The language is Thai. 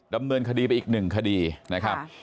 ดำเนินคดีไปอีกหนึ่งคดีนะครับ